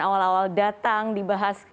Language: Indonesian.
awal awal datang dibahas